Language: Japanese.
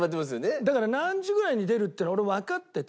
だから何時ぐらいに出るっていうのは俺わかってて。